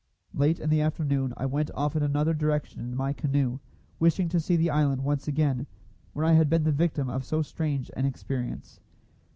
Late in the afternoon I went off in another direction in my canoe, wishing to see the island once again, where I had been the victim of so strange an experience.